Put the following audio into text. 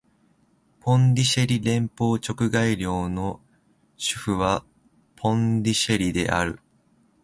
ポンディシェリ連邦直轄領の首府はポンディシェリである